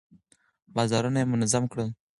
بازارونه يې منظم کړل.